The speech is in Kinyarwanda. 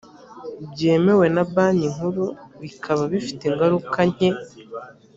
byemewe na banki nkuru bikaba bifite ingaruka nke